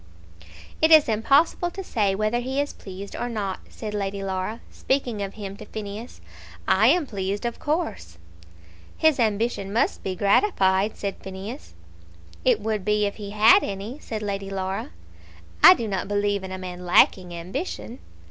"It is impossible to say whether he is pleased or not," said Lady Laura, speaking of him to Phineas. "I am pleased, of course." "His ambition must be gratified," said Phineas. "It would be, if he had any," said Lady Laura. "I do not believe in a man lacking ambition."